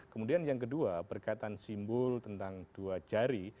kemudian yang kedua berkaitan simbol tentang dua jari